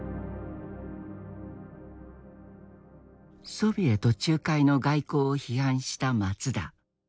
ソビエト仲介の外交を批判した松田。